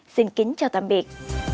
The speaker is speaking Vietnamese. xin kính chào tạm biệt